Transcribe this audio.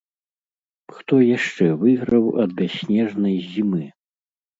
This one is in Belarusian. Хто яшчэ выйграў ад бясснежнай зімы?